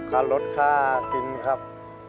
ค่าลดค่ากินครับ